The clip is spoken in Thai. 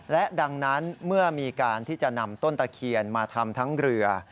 และดังนั้นเมื่อมีการที่จะนำต้นตะเคียนมาทำทั้งเรือ